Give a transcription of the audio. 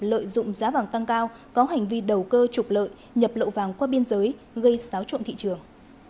lợi dụng giá vàng tăng cao có hành vi đầu cơ trục lợi nhập lậu vàng qua biên giới gây xáo trộn thị trường